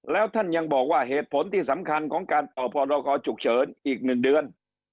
แล้วท่านยังบอกว่าเหตุผลที่สำคัญของการออกพรกรฉุกเฉินอีก๑เดือน